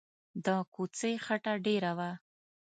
د کوڅې خټه ډېره وه.